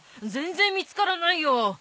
全然見つからないよ